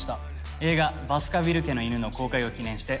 映画『バスカヴィル家の犬』の公開を記念して。